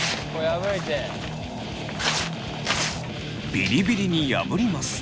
ビリビリに破ります。